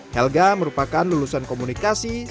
helga merupakan lulusan komunikasi